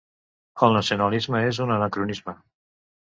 El nacionalisme és un anacronisme.